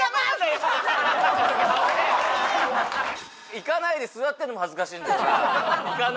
いかないで座ってるのも恥ずかしいんだよな。